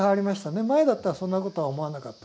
前だったらそんなことは思わなかったでしょう。